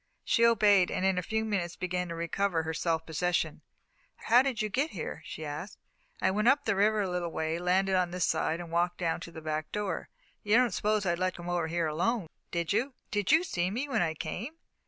She obeyed, and in a few minutes began to recover her self possession. "How did you get here?" she asked. "I went up the river a little way, landed on this side, and walked down to the back door. You didn't suppose I'd let you come over here alone, did you?" "Did you see me when I came?"